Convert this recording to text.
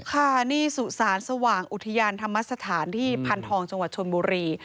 ค่ะนี่สุสานสว่างอุทยานธรรมสถานที่พันธองจังหวัดชนบุรี